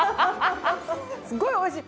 すっごいおいしい！